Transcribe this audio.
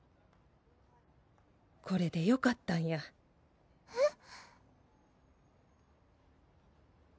これでよかったんやえっ？